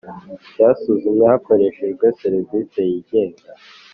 Cyasuzumwe hakoreshejwe serivisi yigenga